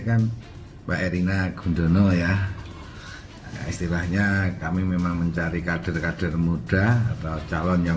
kan mbak erina gundono ya istilahnya kami memang mencari kader kader muda atau calon yang